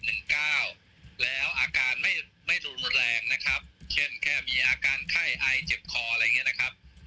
แล้วอาการไม่ไม่ดูรุนแรงนะครับเช่นแค่มีอาการไข้ไอเจ็บคออะไรอย่างเงี้นะครับ